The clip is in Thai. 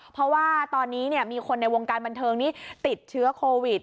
เพราะว่าตอนนี้มีคนในวงการบันเทิงนี้ติดเชื้อโควิด